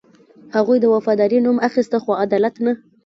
هغوی د وفادارۍ نوم اخیسته، خو عدالت نه.